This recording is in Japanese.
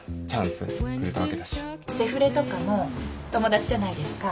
セフレとかも友達じゃないですか。